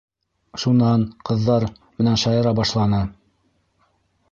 Шунан... ҡыҙҙар менән шаяра башланы...